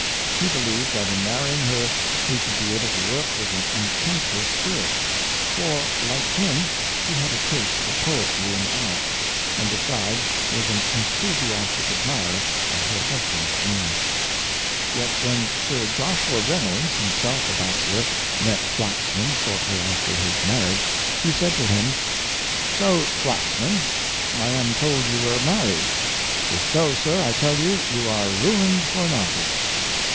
He believed that in marrying her he should be able to work with an intenser spirit; for, like him, she had a taste for poetry and art; and besides was an enthusiastic ad mirer of her husband's genius. Yet when Sir Joshua Flaxman and his Wife, 345 Reynolds — himself a bachelor — met Flaxman shortly after his marriage, he said to him, " So, Flaxman, I am told you are married; if so, sir, I tell you you are ruined for an artist."